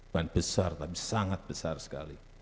bukan besar tapi sangat besar sekali